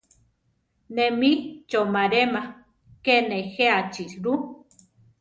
Né mi chomaréma ké nejéachi rú.